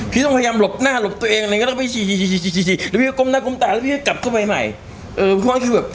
พี่ต้องพยายามหลบหน้าหลบตัวเองอะไรก็ต้องไปชี้